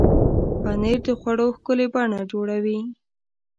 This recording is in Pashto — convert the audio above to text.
پنېر د خوړو ښکلې بڼه جوړوي.